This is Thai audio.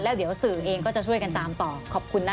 แล้วเดี๋ยวสื่อเองก็จะช่วยกันตามต่อขอบคุณนะคะ